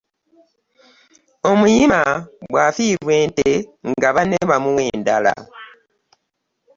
Omuyima bwafiirwa ente nga banne bamuwa endala .